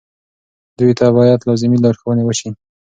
دوی ته باید لازمې لارښوونې وشي.